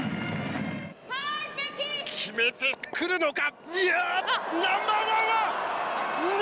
決めてくるのか！